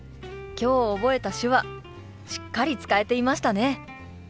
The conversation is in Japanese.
今日覚えた手話しっかり使えていましたね！